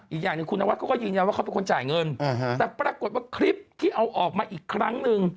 อีกอย่างหนึ่งคุณนวัดเขาก็ยืนยันว่าเขาเป็นคนจ่ายเงินแต่ปรากฏว่าคลิปที่เอาออกมาอีกครั้งหนึ่ง